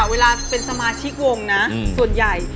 เวลาเป็นสมาชิกวงนะส่วนใหญ่